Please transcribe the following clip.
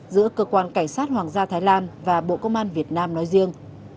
giữa cơ quan cảnh sát hoàng gia thái lan và bộ công an việt nam nói riêng